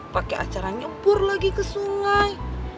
pake acara nyembur lagi ke sungai